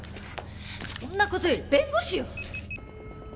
そんな事より弁護士よ！